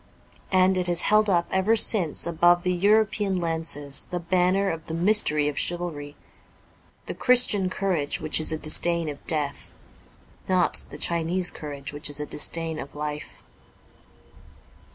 And it has held up ever since above the European lances the banner of the mystery of chivalry : the Christian courage which is a disdain of death ; not the Chinese courage which is a disdain of life.